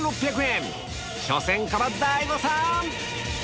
初戦から大誤算‼